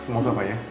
mohon maaf pak ya